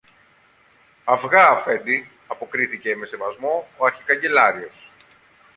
Αυγά, Αφέντη, αποκρίθηκε με σεβασμό ο αρχικαγκελάριος.